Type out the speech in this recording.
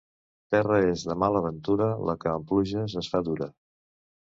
Terra és de mala ventura la que en pluges es fa dura.